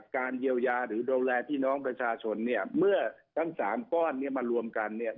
การเยียวยาหรือดูแลพี่น้องประชาชนเนี่ยเมื่อทั้งสามก้อนเนี่ยมารวมกันเนี่ย